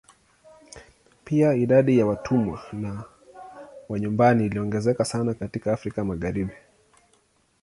Pia idadi ya watumwa wa nyumbani iliongezeka sana katika Afrika Magharibi.